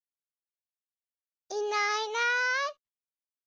いないいない。